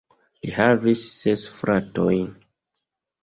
Li havis ses fratojn.